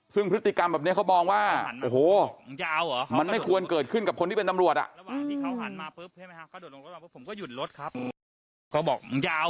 ซึ่งพฤติกรรมแบบนี้เขามองว่าโอ้โหมันไม่ควรเกิดขึ้นกับคนที่เป็นตำรวจ